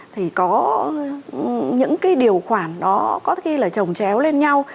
thì có những cái điều khoản đó có khi là trồng chéo lên nhau